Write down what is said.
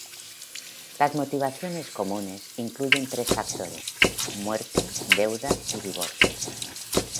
Las motivaciones comunes incluyen tres factores: muerte, deuda y divorcio.